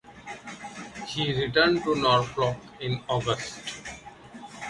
She returned to Norfolk in August.